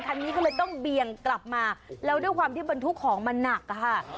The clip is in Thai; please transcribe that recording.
คันนี้ก็เลยต้องเบียงกลับมาแล้วด้วยความที่บรรทุกของมันหนักอะค่ะ